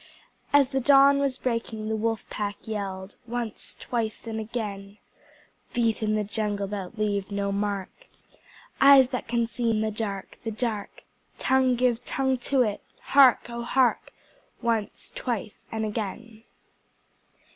As the dawn was breaking the Wolf Pack yelled Once, twice and again! Feet in the jungle that leave no mark! Eyes that can see in the dark the dark! Tongue give tongue to it! Hark! O hark! Once, twice and again!